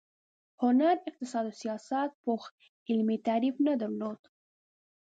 هنر، اقتصاد او سیاست پوخ علمي تعریف نه درلود.